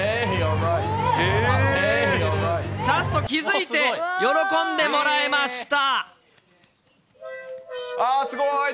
ちゃんと気付いて、喜んでもらえました。